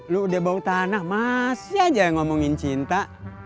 lu udah bau tanah masih aja yang ngomongin cinta